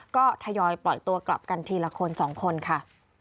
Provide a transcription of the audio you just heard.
ก็ทยอยปล่อยตัวกลับกันทีละคน๒คนค่ะ